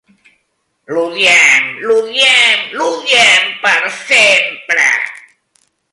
L'odiem, l'odiem, l'odiem per sempre!